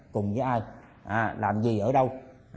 cùng với ai làm gì ở đâu